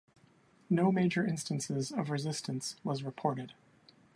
No major instances of resistance was reported.